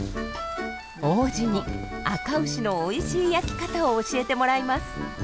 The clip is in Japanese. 王子にあかうしのおいしい焼き方を教えてもらいます。